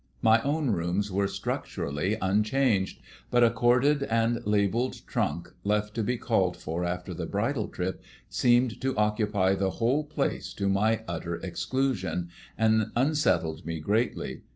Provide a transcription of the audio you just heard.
My own rooms were structurally unchanged; but a corded and labelled trunk, left to be called for after the bridal trip, seemed to occupy the whole place to my utter exclusion, and unsettled me greatly.